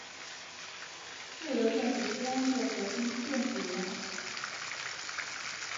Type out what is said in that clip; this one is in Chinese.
自由电子激光器的核心是电子源。